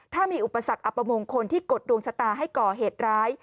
ถ้ามีอุปสรรคอัปมงคลที่กดดวงชะตาให้ก่อเหตุร้าย